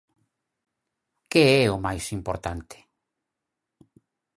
Que é o máis importante?